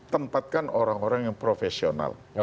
tempatkan orang orang yang profesional